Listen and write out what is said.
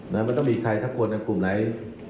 มันต้องมีใครทั้งคนกึ่มไหน